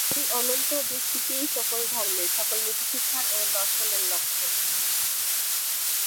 এই অনন্ত বিস্তৃতিই সকল ধর্মের, সকল নীতিশিক্ষার ও দর্শনের লক্ষ্য।